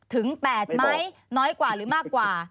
ถึง๘ไหมน้อยกว่าหรือมากกว่า